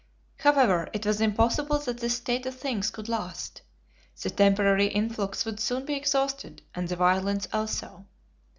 However, it was impossible that this state of things could last. The temporary influx would soon be exhausted, and the violence also.